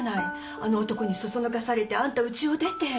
あの男に唆されてあんたうちを出て。